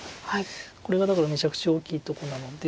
これがだからめちゃくちゃ大きいとこなので。